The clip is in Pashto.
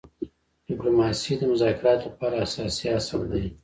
ډيپلوماسي د مذاکراتو لپاره اساسي اصل دی.